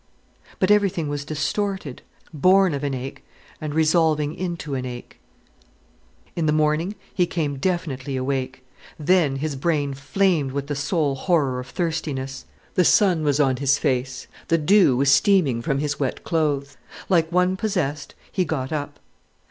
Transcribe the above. But everything was distorted, born of an ache and resolving into an ache. In the morning he came definitely awake. Then his brain flamed with the sole horror of thirstiness! The sun was on his face, the dew was steaming from his wet clothes. Like one possessed, he got up.